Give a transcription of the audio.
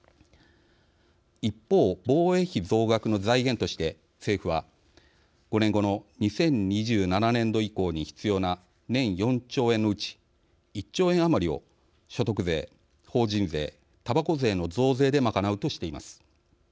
一方、防衛費増額の財源として政府は、５年後の２０２７年度以降に必要な年４兆円のうち、１兆円余りを所得税、法人税、たばこ税の増税で賄うとしています。